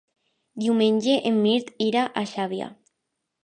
Diumenge en Mirt irà a Xàbia.